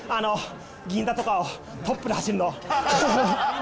銀座とかをトップで走るの。